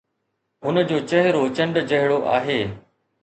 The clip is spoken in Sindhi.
هن جو چهرو چنڊ جهڙو آهي